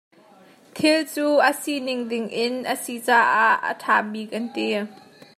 Thil cu a si ning ding in a si ah a ṭha bik an ti.